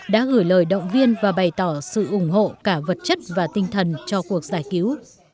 đã gửi lời động viên và bày tỏ sự ủng hộ cả vật chất và tinh thần cho cuộc giải cứu